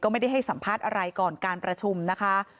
ไม่ได้ให้สัมภาษณ์อะไรก่อนการประชุมนะคะ